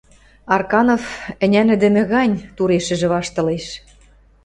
Арканов ӹнянӹдӹмӹ гань турешӹжӹ ваштылеш.